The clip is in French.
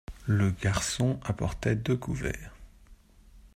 Le garçon apportait deux couverts.